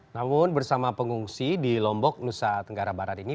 namun bersama pengungsi di lombok nusa tenggara barat ini